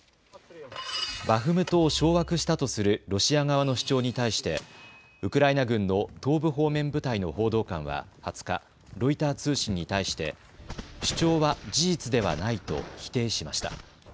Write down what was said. バフムトを掌握したとするロシア側の主張に対してウクライナ軍の東部方面部隊の報道官は２０日、ロイター通信に対して主張は事実ではないと否定しました。